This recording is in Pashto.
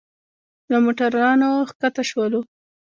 له موټرانو ښکته شولو.